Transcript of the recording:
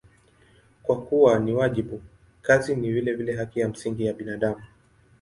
Kwa kuwa ni wajibu, kazi ni vilevile haki ya msingi ya binadamu.